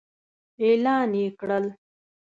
اعلان يې کړل.